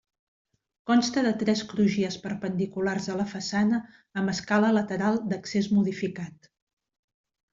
Consta de tres crugies perpendiculars a la façana amb escala lateral d'accés modificat.